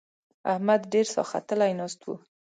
احمد ډېر ساختلی ناست وو.